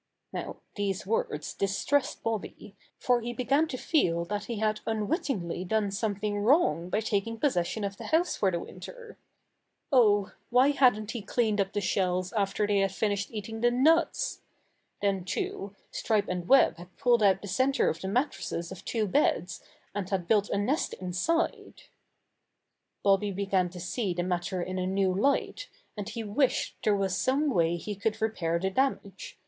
Now these words distressed Bobby, for he began to feel that he had unwittingly done something wrong by taking possession of the house for the winter. Oh, why hadn't he Imprisoned in the Tower Room 23 cleaned up the shells after they had finished eating the nuts! Then, too, Stripe and Web had pulled out the center of the mattresses of two beds, and had built a nest inside. Bobby began to see the matter in a new light, and he wished there was some way he could repair the damage.